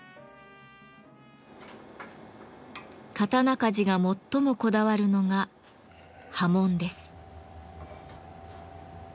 刀鍛冶が最もこだわるのが刃文です。